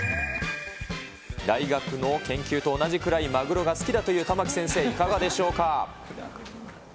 大学の研究と同じくらいマグロが好きだという玉城先生、いかがでしょうか。